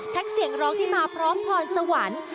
แท็กเสียงร้องให้มาพร้อมพรรณสวรรค์